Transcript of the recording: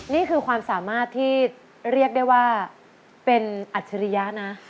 นี่คือความสามารถที่เรียกได้ว่าเป็นอัจฉริยะนะ